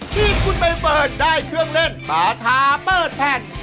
ที่กุนใบเปินได้เครื่องเล่นมาทาเปิ้ลแพท